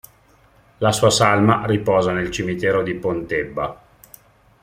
La sua salma riposa nel cimitero di Pontebba.